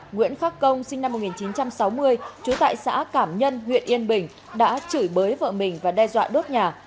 nguyễn khắc công sinh năm một nghìn chín trăm sáu mươi trú tại xã cảm nhân huyện yên bình đã chửi bới vợ mình và đe dọa đốt nhà